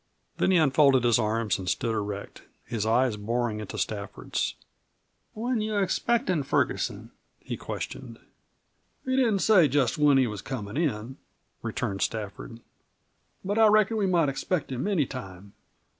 Then he unfolded his arms and stood erect, his eyes boring into Stafford's. "When you expectin' Ferguson?" he questioned. "He didn't say just when he was comin' in," returned Stafford. "But I reckon we might expect him any time."